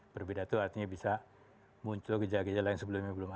berbeda itu artinya bisa muncul gejala gejala yang sebelumnya belum ada